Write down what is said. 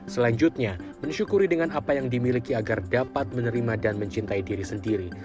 selanjutnya mensyukuri dengan apa yang dimiliki agar dapat menerima dan mencintai diri sendiri